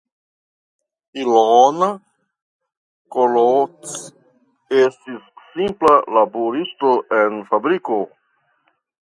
Ilona Kolonits estis simpla laboristo en fabriko.